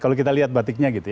kalau kita lihat batiknya gitu ya